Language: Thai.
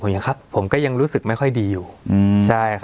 สวัสดีครับทุกผู้ชม